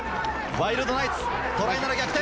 ワイルドナイツトライなら逆転！